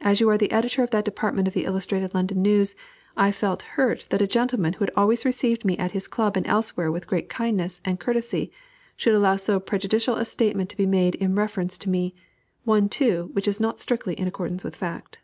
As you are the editor of that department of the Illustrated London News, I felt hurt that a gentleman who had always received me at his club and elsewhere with great kindness and courtesy, should allow so prejudicial a statement to be made in reference to me; one, too, which is not strictly in accordance with fact."